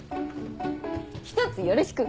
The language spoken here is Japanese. ひとつよろしく！